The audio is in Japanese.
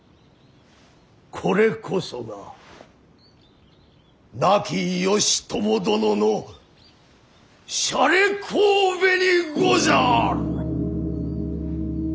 これこそが亡き義朝殿のしゃれこうべにござる！